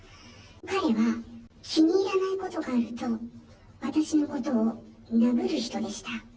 彼は気に入らないことがあると、私のことを殴る人でした。